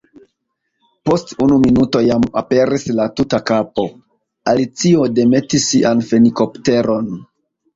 Post unu minuto jam aperis la tuta kapo. Alicio demetis sian fenikopteron.